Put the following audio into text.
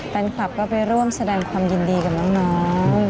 ฟันคลับเขาไปร่วมแสดงความยินดีกับน้องน้อง